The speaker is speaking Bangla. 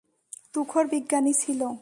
তুখোড় বিজ্ঞানী ছিল।